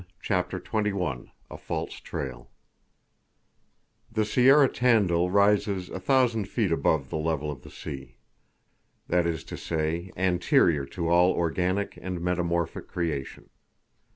CHAPTER XXI A FALSE TRAIL THE Sierra Tandil rises a thousand feet above the level of the sea. It is a primordial chain that is to say, anterior to all organic and metamorphic creation.